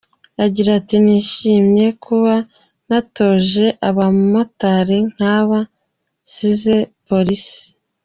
Agira ati “Nishimye kuba natoje abamotari nkaba nsinze Polisi.